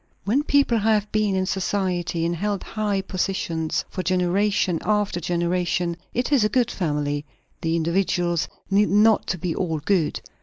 When people have been in society, and held high positions for generation after generation, it is a good family. The individuals need not be all good."